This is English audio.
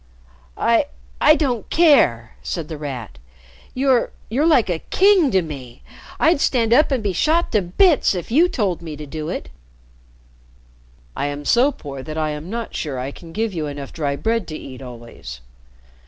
"I I don't care!" said The Rat. "You you're like a king to me. I'd stand up and be shot to bits if you told me to do it." "I am so poor that I am not sure I can give you enough dry bread to eat always.